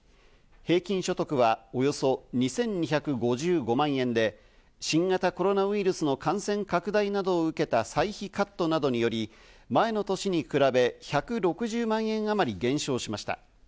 平均所得はおよそ２２５５万円で新型コロナウイルスの感染拡大などを受けた歳費カットなどにより、前の年に比べ、１６０万円あまり減少しました。